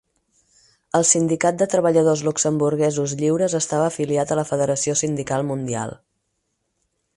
El Sindicat de Treballadors Luxemburguesos Lliures estava afiliat a la Federació Sindical Mundial.